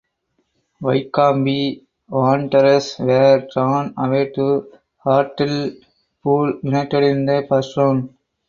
Wycombe Wanderers were drawn away to Hartlepool United in the first round.